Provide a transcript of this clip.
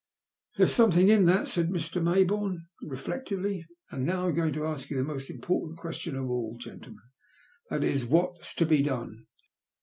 " There's something in that," said Mr. Mayboume, reflectively. ''And now I am going to ask you the most important question of all, gentlemen. That is, what's to be done?